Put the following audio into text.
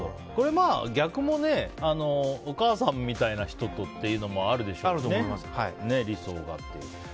逆もお母さんみたいな人とっていうのもあるでしょうしね理想がっていう。